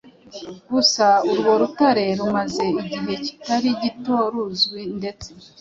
gusa urwo rutare rumaze igihe kitari gito ruzwi ndetse